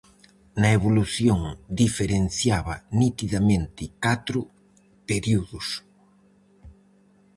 Na evolución diferenciaba nitidamente catro períodos.